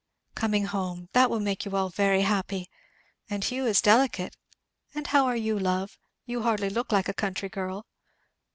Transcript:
"Coming home. That will make you all very happy. And Hugh is delicate and how are you, love? you hardly look like a country girl.